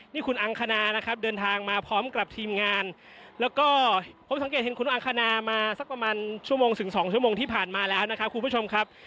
นี่คุณอังคณานะครับเดินทางมาพร้อมกับทีมงานแล้วก็ผมสังเกตเห็นคุณอังคณามาสักประมาณชั่วโมงถึงสองชั่วโมงที่ผ่านมาแล้วนะครับคุณผู้ชมครับ